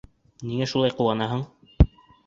Ниңә шулай ҡыуанаһың?